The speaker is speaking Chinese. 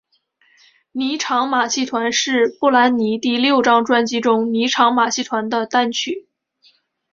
妮裳马戏团是布兰妮第六张专辑中妮裳马戏团的单曲。